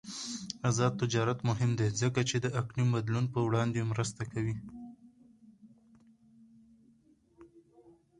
آزاد تجارت مهم دی ځکه چې د اقلیم بدلون پر وړاندې مرسته کوي.